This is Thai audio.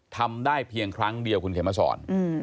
ทำได้เพียงครั้งเดียวคุณเขียนมาสอน